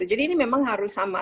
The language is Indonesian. jadi ini memang harus sama